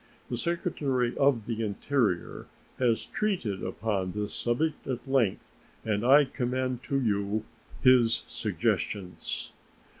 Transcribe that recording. The Secretary of the Interior has treated upon this subject at length, and I commend to you his suggestions.